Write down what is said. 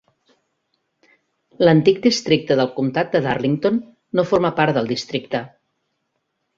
L'antic districte del comtat de Darlington no forma part del districte.